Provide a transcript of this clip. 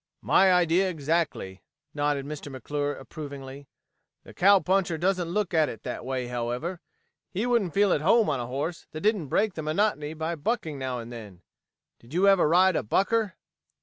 "My idea exactly," nodded Mr. McClure approvingly. "The cowpuncher doesn't look at it that way, however. He wouldn't feel at home on a horse that didn't break the monotony by bucking now and then. Did you ever ride a bucker?"